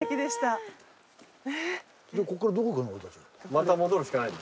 また戻るしかない。